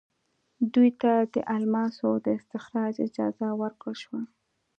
دوی ته د الماسو د استخراج اجازه ورکړل شوه.